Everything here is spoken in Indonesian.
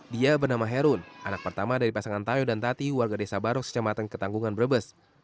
dia bernama herun anak pertama dari pasangan tayo dan tati warga desa barok sejamatan ketanggungan brebes